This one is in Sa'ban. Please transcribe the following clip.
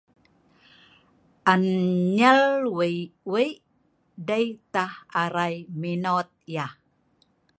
An nyer wei-wei dei tah arai minot yah